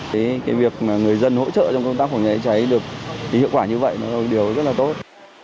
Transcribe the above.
thế cái việc mà người dân hỗ trợ trong công tác phòng nhảy cháy được hiệu quả như vậy là điều rất là tốt